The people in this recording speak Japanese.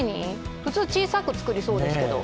普通小さく造りそうですけど。